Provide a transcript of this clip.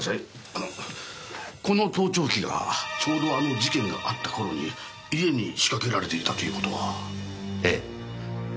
あのこの盗聴器がちょうどあの事件があった頃に家に仕掛けられていたという事は。